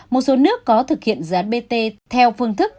một số nước có thực hiện dự án bt theo phương thức